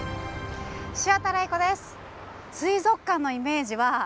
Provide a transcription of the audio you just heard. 潮田玲子です。